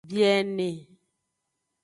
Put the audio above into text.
Biene.